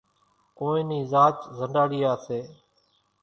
ڪونئين نِي زاچ زنڏاڙيا سي۔